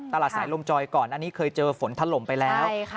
ตลาดสายลมจอยก่อนอันนี้เคยเจอฝนถล่มไปแล้ว